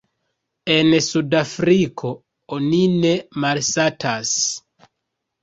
En Sudafriko oni ne malsatas.